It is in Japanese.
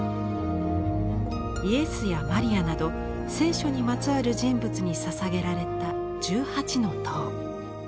イエスやマリアなど聖書にまつわる人物にささげられた１８の塔。